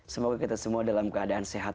semoga kita semua dalam keadaan sehat